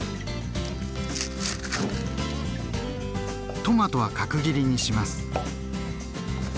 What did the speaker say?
トマトは角切りにします。